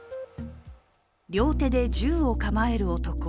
両手で銃を構える男。